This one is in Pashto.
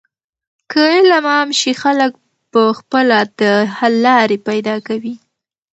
که علم عام شي، خلک په خپله د حل لارې پیدا کوي.